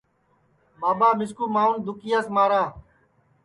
ٻاٻا مِسکُو مانٚؤن دُکِیاس مارا